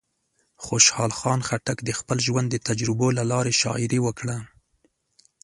خوشحال خان خټک د خپل ژوند د تجربو له لارې شاعري وکړه.